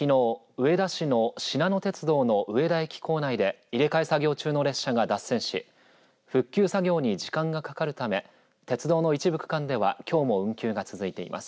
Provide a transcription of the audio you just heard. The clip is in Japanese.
上田市のしなの鉄道の上田駅構内で入れ替え作業中の列車が脱線し復旧作業に時間がかかるため鉄道の一部区間ではきょうも運休が続いています。